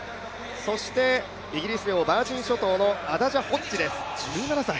そしてイギリス領バージン諸島のアダジャ・ホッジです、１７歳。